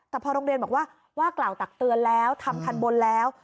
แต่พอโรงเรียนบอกว่าว่ากล่าวตักเตือนแล้วทำทันบนแล้ว